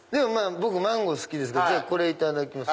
僕マンゴー好きですこれいただきます。